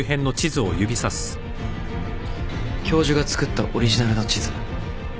教授が作ったオリジナルの地図知ってるよね。